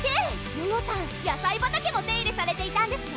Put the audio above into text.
ヨヨさん野菜畑も手入れされていたんですね